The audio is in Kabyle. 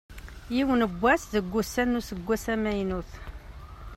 Yiwen n wass deg wussan n useggas amaynut.